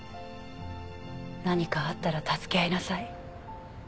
何かあったら助け合いなさい。